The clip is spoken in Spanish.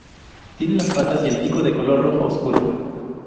Tiene las patas y el pico de color rojo oscuro.